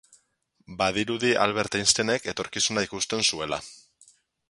Badirudi Albert Einsteinek etorkizuna ikusten zuela.